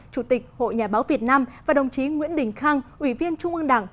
chủ tịch hội nhà báo việt nam và đồng chí nguyễn đình khang ủy viên trung ương đảng